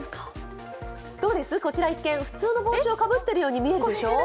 どうです、こちら一見、普通の帽子をかぶっているように見えるでしょ。